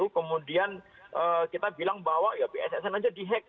kemudian kita bilang bahwa ya bssn aja di hack